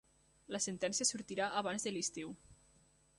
La sentència sortirà abans de l'estiu.